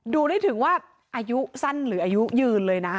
ดูได้ถึงว่าอายุสั้นหรืออายุยืนเลยนะ